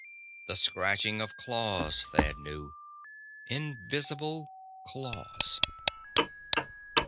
The scratching of claws, Thad knew. Invisible claws!